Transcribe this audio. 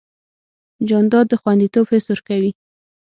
جانداد د خوندیتوب حس ورکوي.